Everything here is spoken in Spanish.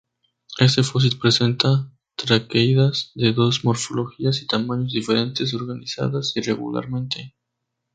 Este fósil presenta traqueidas de dos morfologías y tamaños diferentes organizadas irregularmente.